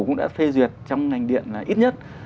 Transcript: cũng đã phê duyệt trong ngành điện là ít nhất